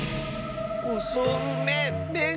おそうめん？